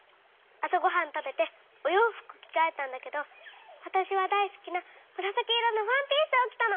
あさごはんたべておようふくきがえたんだけどわたしはだいすきなむらさきいろのワンピースをきたの。